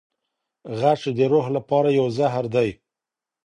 غچ د روح لپاره یو زهر دی.